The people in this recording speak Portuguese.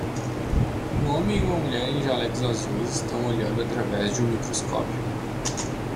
Um homem e uma mulher em jalecos azuis estão olhando através de um microscópio.